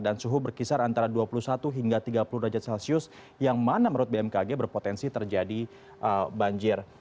dan suhu berkisar antara dua puluh satu hingga tiga puluh derajat celcius yang mana menurut bmkg berpotensi terjadi banjir